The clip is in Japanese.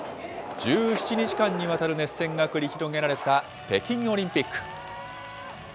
１７日間にわたる熱戦が繰り広げられた北京オリンピック。